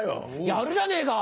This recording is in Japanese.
やるじゃねえか。